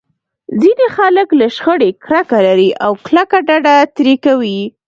ځينې خلک له شخړې کرکه لري او کلکه ډډه ترې کوي.